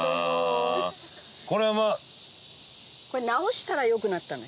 これ直したら良くなったの？